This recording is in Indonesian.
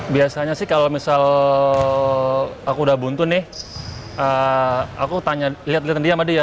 biasanya sih kalau misal aku udah buntu nih aku tanya liat liat dia sama dia